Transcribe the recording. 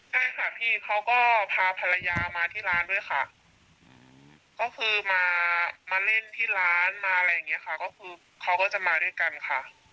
ใช่ค่ะพี่เขาก็พาภรรยามาที่ร้านด้วยค่ะก็คือมามาเล่นที่ร้านมาอะไรอย่างนี้ค่ะก็คือเขาก็จะมาด้วยกันค่ะ